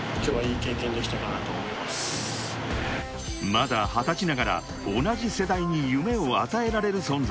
［まだ二十歳ながら同じ世代に夢を与えられる存在に］